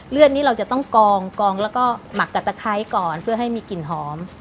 เลือดนี้เราจะต้องกองแล้วก็หมักกับตะไคร้ก่อนเพื่อให้มีกลิ่นหอม